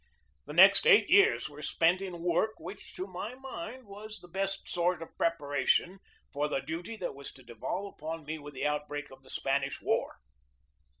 The next eight years were spent in work which, to my mind, was the best sort of preparation for the duty that was to devolve upon me with the outbreak of the Spanish War.